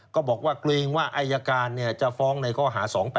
ก็บอกว่าเกรงว่าอายการจะฟ้องในข้อหา๒๘๘